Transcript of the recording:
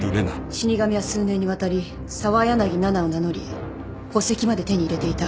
死神は数年にわたり澤柳菜々を名乗り戸籍まで手に入れていた。